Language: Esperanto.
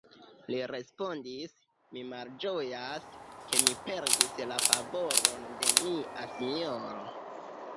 li respondis, mi malĝojas, ke mi perdis la favoron de mia sinjoro.